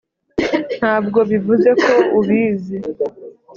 ntabwo bivuze ko ubizi